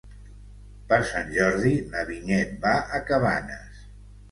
Per Sant Jordi na Vinyet va a Cabanes.